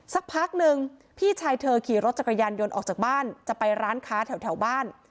สักพักหนึ่งพี่ชายเธอขี่รถจักรยานยนต์ออกจากบ้านจะไปร้านค้าแถวบ้าน